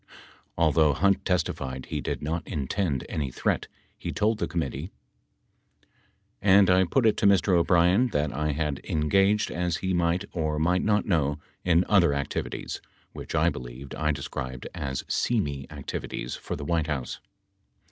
Although Hunt testified he did not intend any threat, he told the committee : And I put it to Mr. O'Brien that I had engaged as he might or might not know, in other activities, which I believed I described as seamy activities, for the White House.